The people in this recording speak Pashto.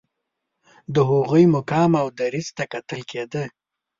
د هغوی مقام او دریځ ته کتل کېده.